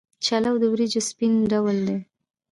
چلو د وریجو سپین ډول دی.